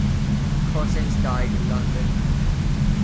Cozens died in London.